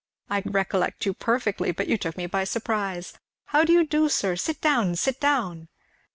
I recollect you perfectly, but you took me by surprise. How do you do, sir? Sit down sit down."